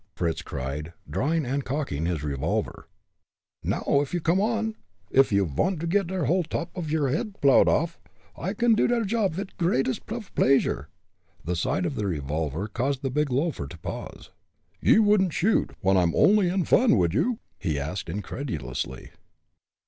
Fritz cried, drawing and cocking his revolver. "Now, you coome on, uff you vant to get der whole dop off your head plowed off. I can do der job vid greatest of pleasure." The sight of the revolver caused the big loafer to pause. "Ye wouldn't shoot, when I'm only in fun, would you?" he asked, incredulously.